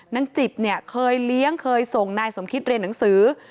จิบเนี่ยเคยเลี้ยงเคยส่งนายสมคิดเรียนหนังสือ